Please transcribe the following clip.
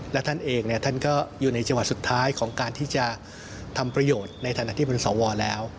และท่านเองท่านก็อยู่ในจังหวัดสุดท้ายของการที่จะทำประโยชน์ในฐานะที่เป็นสวแล้ว